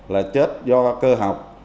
là chết do cơ học